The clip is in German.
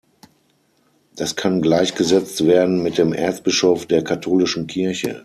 Das kann gleichgesetzt werden mit dem Erzbischof der katholischen Kirche.